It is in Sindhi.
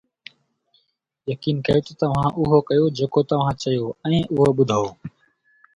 يقين ڪيو ته توهان اهو ڪيو جيڪو توهان چيو ۽ اهو ٻڌو